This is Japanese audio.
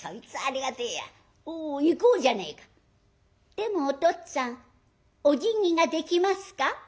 でもおとっつぁんおじぎができますか？」。